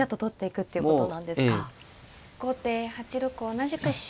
後手８六同じく飛車。